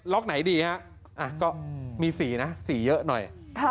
ล็อกไหนดีมี๔นะ๔เยอะหน่อย